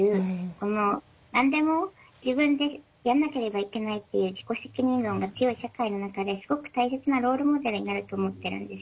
この何でも自分でやらなければいけないっていう自己責任論が強い社会の中ですごく大切なロールモデルになると思っているんです。